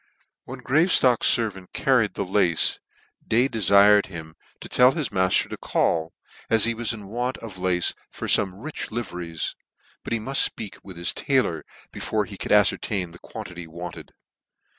When Graveftcck's feryant carried tjje lace, Day defired him 323 NEW NEWGATE CALENDAR. him to tell his mafter to call, as he was in want of lace for fome rich liveries, but he muft fpeak with his taylor before he could afcertain the quan tity wanted.